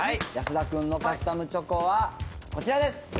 安田君のカスタムチョコはこちらです。